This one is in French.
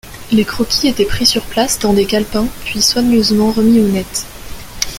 Les croquis étaient pris sur place, dans des calepins, puis soigneusement remis au net.